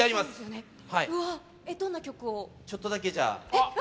うわ、ちょっとだけ、じゃあ。